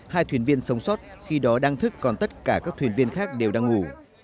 hai thuyền viên sống sót khi đó đang thức còn tất cả các thuyền viên khác đều đang ngủ